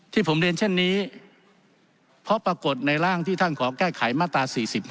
ที่ผมเรียนเช่นนี้เพราะปรากฏในร่างที่ท่านขอแก้ไขมาตรา๔๕